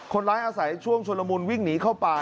คนร้ายอาศัยช่วงชุลมุนวิ่งหนีเข้าป่า